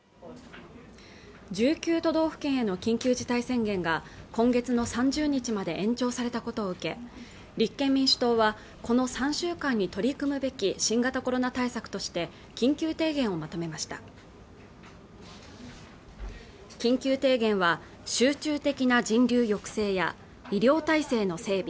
１９都道府県への緊急事態宣言が今月の３０日まで延長されたことを受け立憲民主党はこの３週間に取り組むべき新型コロナ対策として緊急提言をまとめました緊急提言は集中的な人流抑制や医療体制の整備